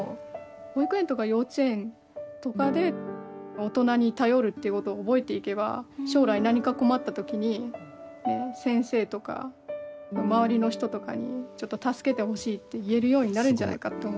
保育園とか幼稚園とかで大人に頼るっていうことを覚えていけば将来何か困った時にね先生とか周りの人とかにちょっと助けてほしいって言えるようになるんじゃないかって思って。